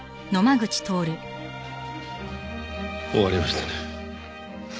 終わりましたね。